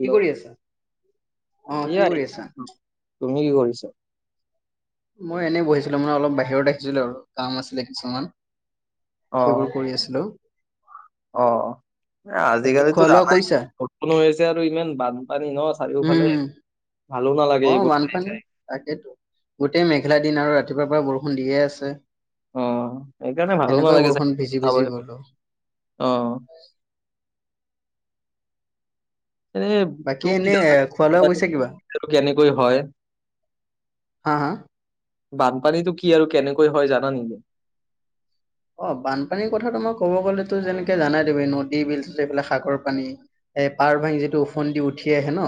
কি কৰি আছা? অ' কি এয়াই কৰি আছা? তুমি কি কৰিছা? মই এনেই বহিছিলো মানে, অলপ বাহিৰত আহিছিলো আৰু কাম আছিলে কিছুমান। সেইবোৰ কৰি আছিলো। অ' অ'। বাকী আজিকালিটো খোৱা লোৱা জানাই কৰিছা? বৰষণো হৈ আছে আৰু ইমান বানপানী ন উম চাৰিওফালে! উম। ভালো নালাগে অ' এইবোৰ চাই বানপানী, চাই। তাকেইেতো গোটেই মেঘেলা দিন আৰু ৰাতিপুৱাৰ পৰা বৰষুণ দিয়ে আছে। অ' সেইকাৰণে ভালো সেনেকুৱাই নালাগে বৰষুণ ভিজি ভিজি চাগে গ'লো। [unintelligible] অ'। এনে বাকী তুমি এনে জানা খোৱা-লোৱা গৈছে কিবা? বানপানীটো আৰু কেনেকৈ হয় হা হা? বানপানীটো কি আৰু কেনেকৈ হয় জানা নেকি? অ' বানপানীৰ কথাটো মই ক'ব গ'লেতো যেনেকে জানাই তুমি, নদী-বিল এইবিলাক সাগৰ, পানী এই পাৰ ভাঙি যিটো ওফন্দি উঠি আহে ন!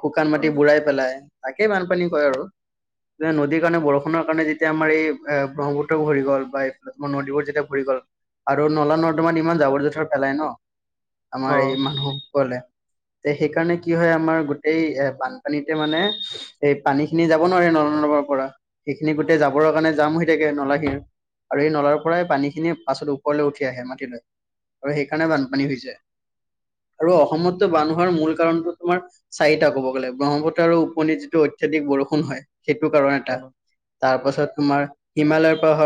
শুকান অ মাটি বুৰাই পেলাই। তাকে বানপানী কয় আৰু। নদীৰ কাৰণে বৰষুণৰ কাৰণে যেতিয়া আমাৰ এই ব্ৰহ্মপুত্ৰ ভৰি গ'ল বা এইফালৰ নদীবোৰ যেতিয়া ভৰি গ'ল আৰু নলা- নৰ্দমাত ইমান জাবৰ-জোথৰ পেলাই ন? অ আমাৰ এই মানুহ কলে তে সেইকাৰণে কি হয় আমাৰ গোটেই এ বানপানীতে মানে এই পানীখিনি যাব নোৱাৰে ন [unintelligible] পৰা, সেইখিনি গোটেই জাবৰৰ কাৰণে জাম হৈ থাকে। নলা শীৰ আৰু সেই নলাৰ পৰাই পানীখিনি পাছত ওপৰলৈ উঠি আহে মাটিলৈ। আৰু সেইকাৰণে বানপানী হৈ যায়। আৰু অসমতো বান হোৱাৰ মূল কাৰণতেওঁ তোমাৰ চাৰিটা ক'ব গ'লে। ব্ৰহ্মপুত্ৰ আৰু উপনৈত যিটো অত্যাধিক বৰষুণ হয়, সেইটো কাৰণ অ এটা। তাৰপাছত তোমাৰ হিমালয়ৰ পৰা হ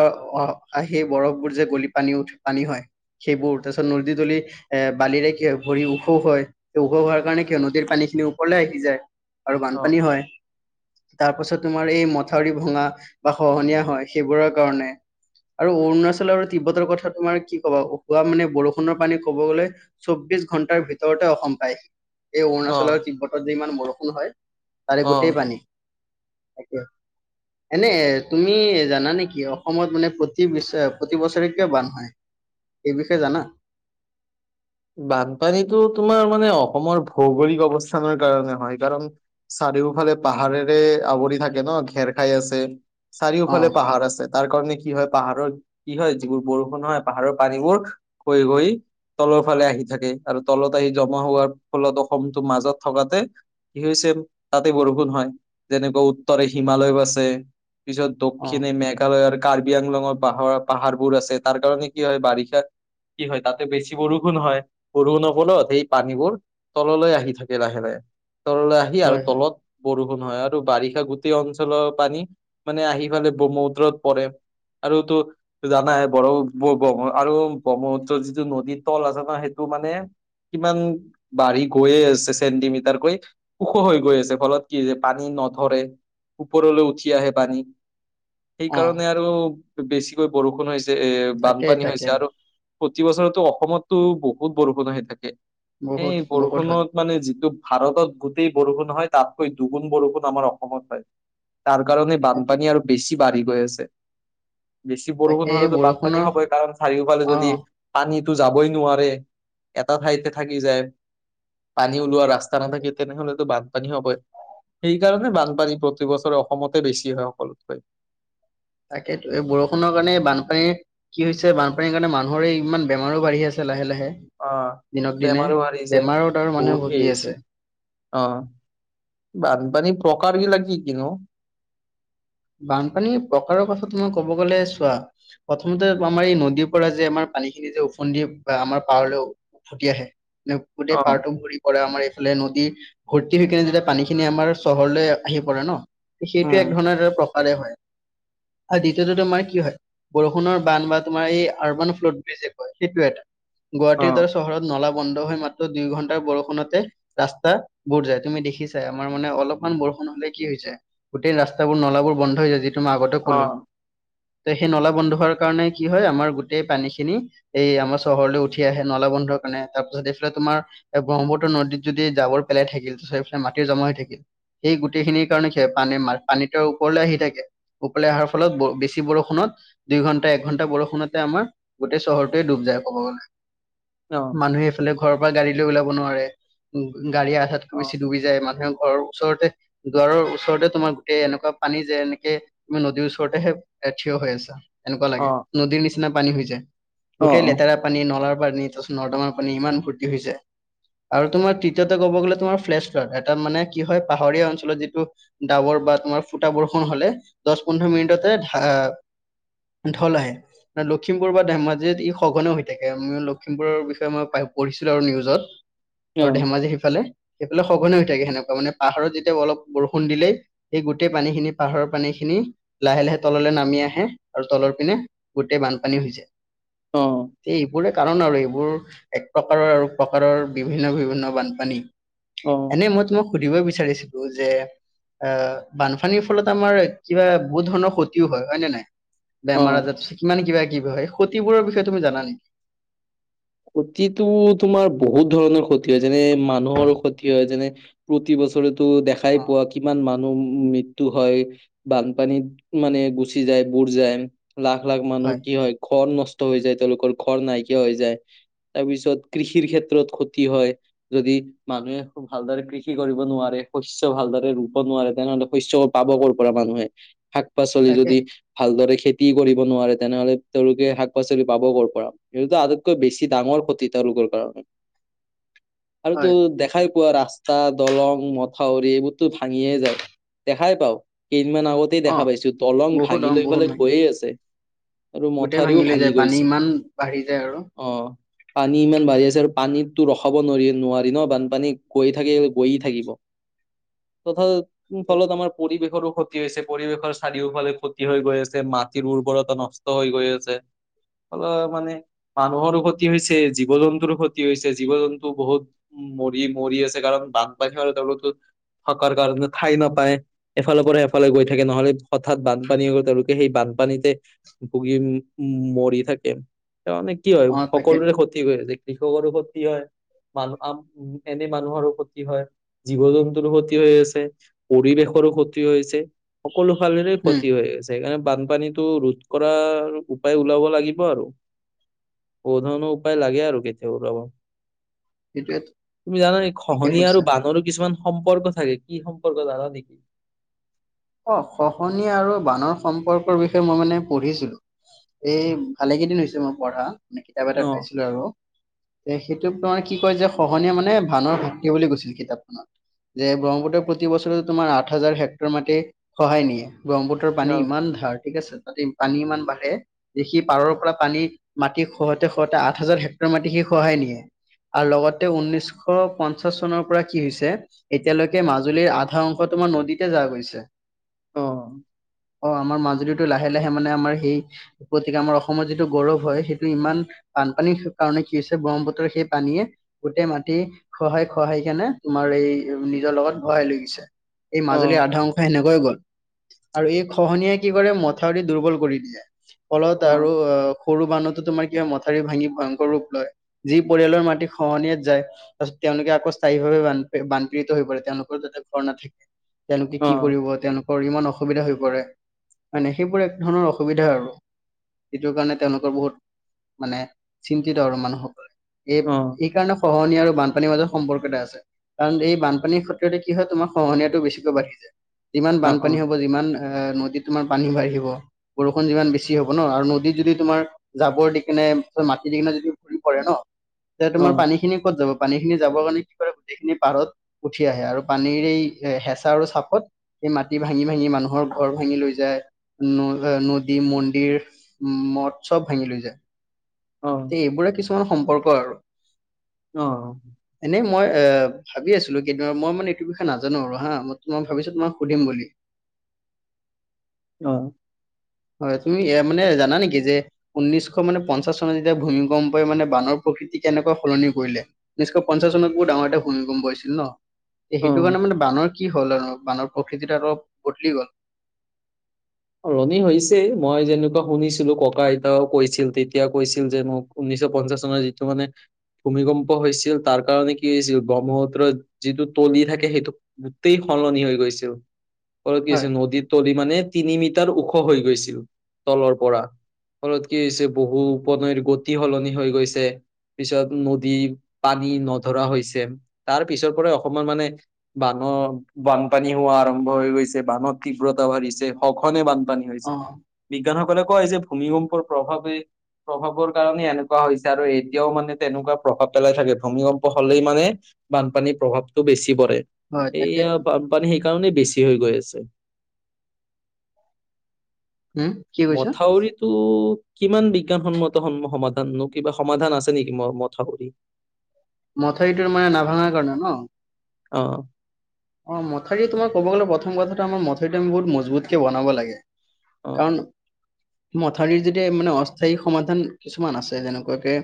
আহ সেই বৰফবোৰ যে গলি পানী উঠ, পানী হয়। সেইবোৰ, তাৰ পিছত নদী তুলি এ বালিৰে কি হয়? ভৰি ওখ হয়, সেই ওখ হোৱাৰ কাৰণে কি হয় নদীৰ পানীখিনি ওপৰলৈ আহি যায়। আৰু অ বানপানী হয়। তাৰপাছত তোমাৰ এই মথাউৰি ভঙা বা খহনীয়া হয়। সেইবোৰৰ কাৰণে আৰু অৰুণাচল আৰু তিব্বতৰ কথা তোমাৰ কি ক'বা! কোৱা মানে বৰষুণৰ পানী ক'ব গ'লে চৌবিশ ঘণ্টা ঘণ্টাৰ ভিতৰতে অসম পায়। এই অৰুণাচল আৰু অ তিব্বতত যে ইমান বৰষুণ হয়, তাৰে অ গোটেই পানী তাকে। এনে তুমি জানা নেকি? অসমত মানে প্ৰতি বিশ প্ৰতি বছৰে কিয় বান হয়? এই বিষয়ে জানা? বানপানীটো তোমাৰ মানে অসমৰ ভৌগলিক অৱস্থানৰ কাৰণে হয়। কাৰণ চাৰিওফালে পাহাৰেৰে আৱৰি থাকে ন? ঘেৰ খাই আছে। অ চাৰিওফালে পাহাৰ আছে। তাৰ কাৰণে কি হয়, পাহাৰৰ কি হয়, যিবোৰ বৰষুণ হয় পাহাৰৰ পানীবোৰ গৈ গৈ তলৰ ফালে আহি থাকে, আৰু তলত আহি জমা হোৱাৰ ফলত অসমটো মাজত থকাতে কি হৈছে তাতে বৰষুণ হয়। যেনেকুৱা উত্তৰে হিমালয় আছে। পিছত অ দক্ষিণে মেঘালয়ৰ কাৰ্বি আংলঙৰ পাহাৰ-পাহাৰবোৰ আছে তাৰ কাৰণে কি হয়, বাৰিষা কি হয় তাতে বেছি বৰষুণ ষুণ হয়, বৰষুণৰ ফলত সেই পানীবোৰ তললৈ আহি থাকে লাহে লাহে। তললৈ আহি আৰু হয় হয় তলত বৰষুণ হয়। আৰু বাৰিষা গোটেই অঞ্চলৰ পানী, মানে আহি ব্ৰহ্মপুত্ৰত পৰে। আৰুতো জানাই বৰ আৰু ব্ৰহ্মপুত্ৰৰ যিটো নদীত তল আছে ন সেইটো মানে! কিমান বাঢ়ি গৈয়ে আছে চেণ্টিমিটাৰকৈ ওখ হৈ গৈ আছে ফলত কি পানী নধৰে ওপৰলৈ উঠি আহে পানী অ সেইকাৰণে আৰু বেছিকৈ বৰষুণ হৈছে এ তাকে বানপানী তাকে হৈছে আৰু প্ৰতি বছৰটো অসমতো বহুত বৰষুণ আহি থাকে বহুত সেই বহুত হয় বৰষুণত মানে যিটো ভাৰতত গোটেই বৰষুণ হয় তাতকৈ দুগুণ বৰষুণ আমাৰ অসমত হয় তাৰ কাৰণে তাকে বানপানী আৰু বেছি বাঢ়ি গৈ আছে। বেছি তাকে বৰষুণ এই হলেতো বানপানী বৰষুণৰ হব কাৰণ চাৰিওফালে অ যদি পানী যাব। নোৱাৰে এটা ঠাইতে থাকি যায় পান ওলোৱা ৰাস্তাক তেনেহলে বানী পানী হ সেইকাৰণে বানপানী প্ৰতিবছৰে অসমতে বেছি হয় সকলোতকৈ তাকেইেতো এই বৰষুণৰ কাৰণে বানপানীৰ কি হৈছে বানপানীৰ কাৰণে মানুহৰে ইমান বেমাৰো বাঢ়ি আছে লাহে লাহে অ দিনক দিনে বেমাৰো মাৰছে বেমাৰত আৰু মানুহে বহুত ভুগি আছে। সেইছে অ বানপানী প্ৰকাৰ বি লাগি কিনো বানপানীৰ প্ৰকাৰৰ কথা তোমাক ক'ব গ'লে চোৱা প্ৰথমতে আমাৰ এই নদীৰ পৰা যে আমাৰ পানী খিনি যে উফন্দি বা আমাৰ পাৰলৈ উ ফুটি আহে নে গোটেই অ পাৰটো ঘুৰি পৰে আমাৰ নদীৰ ভৰ্তি হৈ কেনে যেতিয়া পানী খিনি আমাৰ চহৰলৈ আহি পৰে ন সেইটো এক উম ধৰণৰে প্ৰকাৰে হয় আৰু দ্বিতীয়তে তোমাৰ কি হয় বৰষুণৰ বান্ধ বা তোমাৰ এই আৰ্বান ফ্লট বুলি যে কয় সেইটোে এটা অ গুৱাহাটীৰ দৰে চহৰত নলা বন্ধ হৈ মাত্ৰ দুই ঘণ্টাৰ বৰষুণতে ৰাস্তা বুুৰ যায় তুমি দেখিছাই আমাৰ মানে অলপমান বৰষ- ষুন হলে কি হৈছে গোটেই ৰাস্তাবোৰ নলাবোৰ বন্ধ হৈ যায় যিটো মই আগতে অ কলো ত সেই নলা বন্ধ হোৱাৰ কাৰণে কি হয় আমাৰ গোটেই পানী খিনি এই আমাৰ চহৰলৈ উঠি আহে নলা বন্ধ কাৰণে তাৰপিছত এইফালে তোমাৰ ব্ৰহ্মপুত নদীত যদি জাবৰ পেলাই থাকিল তাৰপছত এইফালে মাটিৰ জমা হৈ থাকিল সেই গোটেইখিনিৰ কাৰণে সে পানী পানীটোৰ ওপৰলৈ আহি থাকে উপওলাই অহাৰ ফলত বেছি বৰষুণত দুই ঘণ্টা একঘণ্টা বৰষুণতে আমাৰ গোটেই চহৰটোৱে ডুব যায় কব গলে অ মানুহে এইফালে ঘৰৰ পৰা গাড়ী লৈ ওলাব নোৱাৰে উ গাড়ীয়ে আধাতকৈ অ বেছি ডুবি যায় মানুহে ঘৰ ওচৰতে দুৱাৰৰ ওচৰতে তোমাৰ গোটেই এনেকুৱা পানী যে এনেকে তুমি নদীৰ ওচৰতেহে এ থিয় হৈ আছা এনেকুৱা লাগে অ নদীৰ নিচিনা নিচনা পানী হৈছে অ গোটেই লেতেৰা পানী নলাৰ পানী তাৰছত নৰ্দমাৰ পানী ইমান ভৰ্তি হৈছে আৰু তোমাৰ তৃতীয়তে ক'ব গ'লে তোমাৰ ফ্লে এটা মানে কি হয় পাহাৰীয়া অঞ্চলত যিটো ডাবৰ বা তোমাৰ ফুটা বৰষুণ হলে দহ পোন্ধৰ মিনিটতে ধা- ঢল আহে লখিমপুৰ বা ধেমাজিত ই সঘনে হৈ থাকে আমি লখিমুৰৰ বিষয়ে মই পাই- পঢ়িছিলো আৰু নিউজত অ আৰু ধেমাজি সেইফালে সেইফালে সঘনে হৈ থাকে সেনেকুৱা মানে পাহাৰত যেতিয়া অলপ বৰষুণ দিলেই সেই গোট- গোটেই পানী খিনি পাহাৰৰ পানী খিনি লাহে লাহে তললৈ নামি আহে আৰু তলৰ পিনে গোটেই বানপানী হৈ যায় অ তে এইবোৰে কাৰণ আৰু এইবোৰ এক প্ৰকাৰৰ আৰু প্ৰকাৰৰ বিভিন্ন বিভিন্ন বানপানী অ এনে মই তোমাক সুধিব বিচাৰিছিলো যে আহ বানপানীৰ ফলত আমাৰ কিবা বহুত ধৰণৰ ক্ষতিও হয় নে নাই অ বেমাৰ আজাৰ কিমান কিবা কি কয় সতিবোৰৰ বিষয়ে তুমি জানা নেকি? ক্ষতিটো তোমাৰ বহুত ধৰণৰ ক্ষতি হয় যেনে মানুহৰো ক্ষতি হয়, যেনে প্ৰতি বছৰে তো দেখাই অ পোৱা কিমান মানুহ মৃত্যু হয় বানপানীত মানে গুচি যায় বুুৰ যায় লাখ লাখ মানুহ কি হয় ঘৰ নষ্ট হৈ যায় তেওঁলোকৰ ঘৰ নাইকিয়া হৈ যায় তাৰপিছত কৃষিৰ ক্ষেত্ৰত ক্ষতি হয় যদি মানুহে খুব ভালদৰে কৃষি কৰিব নোৱাৰে শস্য ভালদৰে ৰুব নোৱাৰে তেনেহলে শস্য পাব কৰ পৰা মানুহে শাক শাক পাচলি তাকে যদি ভালদৰে খেতি কৰিব নোৱাৰে তেনেহলে তেওঁলোকে শাক পাচলি পাব কৰ'ৰ পৰা সেইটোটে আৰোপ কৈ বেছি ডাঙৰ ক্ষতি তেওঁলোকৰ কাৰণে আৰু তো হয় দেখাই পোৱা ৰাস্তা দলং মথাউৰি এইবোৰতো ভাঙিয়ে যায় দেখাই পাওঁ কেইদিনমান আগতেই অ দেখা পাইছো দলং বহুত ভাগি অ লৈ বহুত পেলাই গৈয়ে আছে। আৰু গোটেই মথাউৰিও ভাঙি লৈ যায় পানী গৈছে ইমান বাঢ়ি যায় আৰু। অ পানী ইমান বাঢ়ি আছে আৰু পানীতো ৰখাব নোৱাৰি, নোৱাৰি ন বানপানীক। গৈ থাকি গৈয়ে থাকিব। [inaudible] তথা ফলত আমাৰ পৰিৱেশৰো ক্ষতি হৈছে। পৰিৱেশৰ চাৰিওফালে ক্ষতি হৈ গৈ আছে। মা মাটিৰ উৰ্বৰতা নষ্ট হৈ গৈ আছে। অলপ মানে মানুহৰো ক্ষতি হৈছে, জীৱ জন্তুৰো ক্ষতি হৈছে। জীৱ জন্তু বহুত উ মৰি মৰি আছে কাৰণ বানপানীত সিহঁতৰোটো থকাৰ কাৰণে ঠাই নাপায়। এফালৰ পৰা এফালে গৈ থাকে। নহলে হঠাৎ বানপানী হল তেওঁলোকে সেই বান পানীতে ভুগিম উ উ মৰি থাকে। মানে কি হয় অ তাকেতো সকলোৰে ক্ষতি হৈ আছে, কৃষকৰো ক্ষতি হয় মানুহ উম এনে মানুহৰো ক্ষতি হ, য় জীৱ জন্তুৰো ক্ষতি হৈ আছে, পৰিৱেশ ৱেশৰো ক্ষতি হৈছে সকলো ফালেৰে উম ক্ষতি হৈ গৈছে। সেইকাৰণে বানপানীটো ৰোধ কৰাৰ উপায় ওলাব লাগিব আৰু। বহু ধৰণৰ উপায় লাগে আৰু কেতিয়া ওলাব। সেইটোৱে তুমি জানানে ঠিকে খহনীয়া আৰু কৈছা বানৰো কিছুমান সম্পৰ্ক চাগে? কি সম্পৰ্ক জানা নেকি? অ খহনীয়া আৰু বানৰ সম্পৰ্কৰ বিষয়ে মই মানে পঢ়িছিলো। এই ভালে কেইদিন হৈছে মই পঢ়া। মানে কিতাপ অ এটাত পাইছিলো আৰু সেইটোক তোমাৰ কি কয় যে খহনীয়া মানে বানৰ ভাতৃ বুলি কৈছিল কিতাপখনত। যে ব্ৰহ্মপুত্ৰই প্ৰতি বছৰে তোমাৰ আঠ হাজাৰ হেক্টৰ মাটি খহায় নিয়ে। ব্ৰহ্মপুত্ৰৰ পানী অ ইমান ধাৰ। ঠিক আছে, তাতে পানী ইমান বাঢ়ে, দে সি পাৰৰ পৰা পানী মাটি খহতে খহতে আঠ হাজাৰ হেক্টৰ মাটি সি খহায় নিয়ে। আৰু লগতে উনৈশ পঞ্চাশ চনৰ পৰা কি হৈছে এতিয়ালৈকে মাজুলীৰ আধা অংশত তোমাৰ নদীতে যা গৈছে। অ। অ আমাৰ মাজুলীটো লাহে লাহে মানে আমাৰ সেই প্ৰতীক, আমাৰ অসমৰ যিটো গৌৰৱ হয় সেইটো ইমান বানপানীৰ কাৰণে কি হৈছে ব্ৰহ্মপুত্ৰৰ সেই পানীয়ে, গোটেই মাটি খহাই-খহাই কেনে তোমাৰ নিজৰ লগত ভৰাই লৈ গৈছে, এই অ মাজুলীৰ আধা অংশ সেনেকুৱা। হৈ গল আৰু এই খহনিয়ে কি কৰে মথাউৰি দুৰ্বল কৰি দিয়ে। ফলত আৰু অ সৰু বান্ধতো তোমাৰ কিবা মথাউৰি ভাঙি ভয়ংকৰ ৰূপ লয়, যি পৰিয়ালৰ মাটি খহনিয়াত যায় তেওঁলোকে আকৌ স্থায়ী ভাৱে বান বানপীড়িত হৈ পৰে। তেওঁলোকৰ তাতে ঘৰ নাথাকে, তেওঁলোকে অ অ কি কৰিব তেওঁলোকৰ ইমান অসুবিধা হৈ পৰে। মানে সেইবোৰ এক ধৰণৰ অসুবিধা আৰু। সেইটো কাৰণে তেওঁলোকৰ বহুত, মানে চিন্তিত আৰু মানুহসকল। এ অ এই কাৰণে খহনিয়া আৰু বানপানীৰ মাজত সম্পৰ্ক এটা আছে। কাৰণ এই বানপানীৰ ক্ষেত্ৰতে কি হয় তোমাৰ খহনীয়াটো বেছিকৈ বাঢ়ি যায়। যিমান অ অ অ বানপানী হব, যিমান অ নদীত তোমাৰ পানী বাঢ়িব, বৰষুণ যিমান বেছি হ'ব ন আৰু নদীত যদি তোমাৰ, জাবৰ দি কিনে, মাটি কিনে ঘুৰি পৰে ন তেয়া তোমাৰ পানী খিনি ক'ত যাব? পানী খিনি যাবৰ কাৰণে কি কৰে গোটেইখিনি পাৰত উঠি আহে আৰু পানীৰ এই হেঁচা আৰু চাপত সেই মাটি ভাঙি, ভাঙি মানুহৰ ঘৰ ভাঙি লৈ যায়। ন নদী মন্দিৰ, মঠ চব ভাঙি লৈ যায়। অ তে এইবোৰে কিছুমান সম্পৰ্ক আৰু। অ এনেই মই এ ভাবি আছিলো কি মই মানে এইটো বিষয়ে নাজানো আৰু হা মই তোমাক ভাবিছো তোমা সুধিম বুলি। অ। হয় তুমি মানে জানা নেকি যে, ঊনৈশ মানে পঞ্চাশ চনত যেতিয়া ভূমিকম্পই মানে বানৰ প্ৰকৃতি কেনেকৈ সলনি কৰিলে ঊনৈশ পঞ্চাশ চনত বহুত ডাঙৰ এটা ভূমিকম্প হৈছিল ন',। এ' অ সেইটো কাৰণে মানে বানৰ কি হ'ল আৰু বানৰ প্ৰকৃতিটো অলপ বদলি গল। সলনি হৈছে মই যেনেকুৱা শুনিছিলো ককা- আইতাও কৈছিল তেতিয়া কৈছিল যে মোক শুনি ঊনিচ্চ পঞ্চাশ চনৰ যিটো মানে ভূমিকম্প হৈছিল তাৰ কাৰণে কি হৈছিল ব্ৰহ্মপুত্ৰত যিটো তলি থাকে সেইটো গোটই সলনি হৈ গৈছিল ফলত কি হয় হৈছিল নদীৰ তলি মানে তিনি মিটাৰ ওখ হৈ গৈছিল তলৰ পৰা। ফলত কি হৈছে বহু উপনৈৰ গতি সলনি হৈ গৈছে পিছত নদীৰ পানী নধৰা হৈছে তাৰ পিছৰ পৰা অসমৰ মানে বান অ' বানপানী হোৱা আৰম্ভ হৈ গৈছে বানত তীব্ৰতা বাঢ়িছে সঘনে বানপানী হৈছে অ বিজ্ঞানসকলে কয় যে ভূমিকম্পৰ প্ৰভাৱে প্ৰভাৱৰ কাৰণে এনেকুৱা হৈছে আৰু এতিয়াও মানে তেনেকুৱা প্ৰভাৱ পেলাই থাকে ভূমিকম্প হলেই মানে বানপানীৰ প্ৰভাৱটো বেছি পৰে, হয় এইয়া তাকেইতো বানপানী সেইকাৰণেই বেছি হৈ গৈ আছে। উম কি কৈছা মথাউৰিটো কিমান বিজ্ঞানসন্মত সন্ম -সমাধান নো কিবা সমাধান আছে নেকি ম- মথাউৰিৰ? মথাউৰিটোৰ মানে নাভাঙাৰ কাৰণে ন'? অহ অহ, মথাউৰি তোমাৰ ক'ব গ'লে প্ৰথম কথাটো আমাৰ মথাৰিটো আমি বহুত মজবুতকে বনাব লাগে। অ কাৰণ মথাউৰিৰ যেতিয়া মানে অস্থায়ী সমাধান কিছুমান আছে যেনেকুৱাকে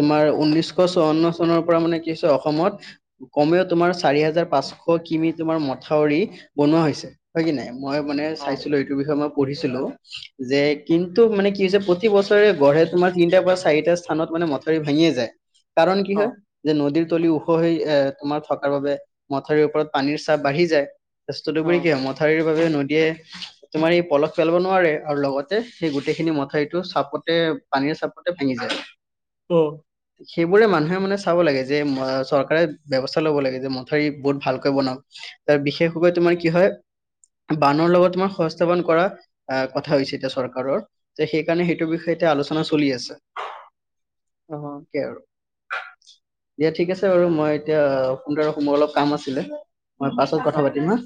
তোমাৰ উন্নিশ চুৱান্ন চনৰ পৰা মানে কি হৈছে অসমত কমেও তোমাৰ চাৰি হাজাৰ পাঁচশ কিমি তোমাৰ মথাউৰি বনোৱা হৈছে হয় কি নাই মই মানে অ চাইছিলো এইটোৰ বিষয়ে মই পঢ়িছিলো যে কিন্তু মানে কি হৈছে প্ৰতি বছৰে গঢ়ে তোমাৰ তিনটাৰ পৰা চাৰিটা স্থানত মানে মথাৰি ভাঙিয়ে যায়। কাৰণ কি অ হয় যে নদীৰ তলি ওখ হৈ এ' তোমাৰ থকাৰ বাবে মথাউৰিটো ওপৰত পানীৰ চাপ বাঢ়ি যায় বস্তুটো অ বুলি কি হয় মথাউৰি নদীয়ে তোমাৰ এই পলস পেলাব নোৱাৰে আৰু লগতে সেই গোটেইখিনি মথাউৰিটো চাপতে পানীৰ চাপতে ভাঙি যায়। অ', সেইবোৰে মানুহে মানে চাব লাগে যে চৰকাৰে ব্যৱস্থা ল'ব লাগে যে মথাউৰিবোৰ ভালকৈ বনাও তাৰ বিশেষভাৱে তোমাৰ কি হয় বানৰ লগত তোমাৰ সংস্থাপন কৰা আহ কথা হৈছে এতিয়া চৰকাৰৰ যে সেইকাৰণে সেইটো বিষয়ে আলোচনা চলি আছে। অহ তাকে আৰু দিয়া ঠিক আছে বাৰু মই এতিয়া ফোনটো ৰাখোঁ মোৰ অলপ কাম আছিলে। মই পাছত কথা অ পাতিম হা।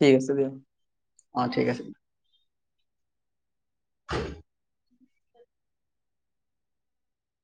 ঠিক আছে দিয়া অহ ঠিক আছে।